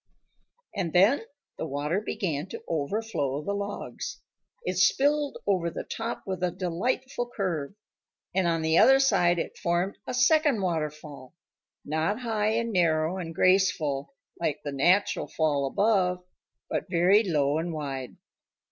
And then the water began to overflow the logs. It spilled over the top with a delightful curve. And on the other side it formed a second waterfall not high and narrow and graceful like the natural fall above, but very low and wide.